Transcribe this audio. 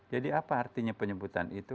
jadi apa artinya penyebutan itu